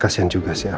kasian juga si elsa